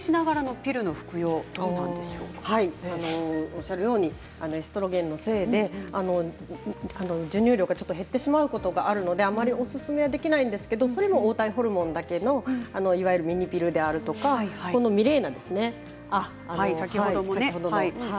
おっしゃるようにエストロゲンのせいで授乳量がちょっと減ってしまうことがあるので、あまりおすすめできないですけどそれも黄体ホルモンだけのいわゆるミニピルであるとかミレーナですね。